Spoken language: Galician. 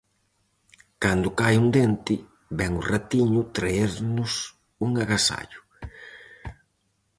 Cando cae un dente, vén o ratiño traernos un agasallo.